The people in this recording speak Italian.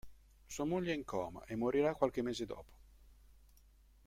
Sua moglie è in coma e morirà qualche mese dopo.